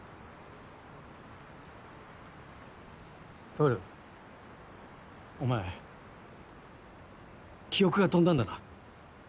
透お前記憶が飛んだんだな？